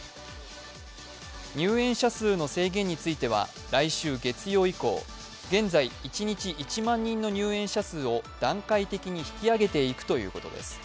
入園者数の制限については来週月曜以降、現在一日１万人の入園者数を段階的に引き上げていくということです。